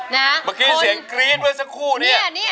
เมื่อกี้เสียงกรี๊ดไว้สักครู่นี่